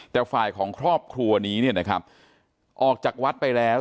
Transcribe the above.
แต่ฝ่ายของครอบครัวนี้เนี่ยนะครับออกจากวัดไปแล้ว